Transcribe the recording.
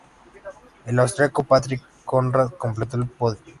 El austriaco Patrick Konrad completó el podio.